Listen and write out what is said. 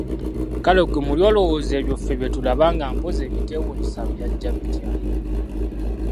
Kale ggwe muli olowooza ebyo ffe bye tulaba nga mpozzi ebiteewuunyisa byajja bitya?